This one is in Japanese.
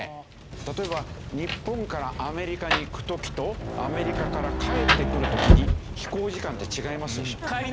例えば日本からアメリカに行く時とアメリカから帰ってくる時に飛行時間って違いますでしょ？